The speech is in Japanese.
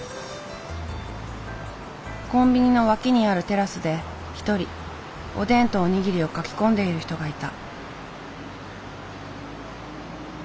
コンビニの脇にあるテラスで一人おでんとお握りをかき込んでいる人がいた。